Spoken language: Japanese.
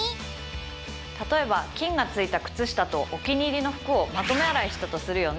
例えば菌が付いた靴下とお気に入りの服をまとめ洗いしたとするよね